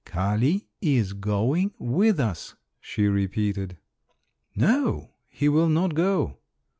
"Kali is going with us," she repeated. "No, he will not go."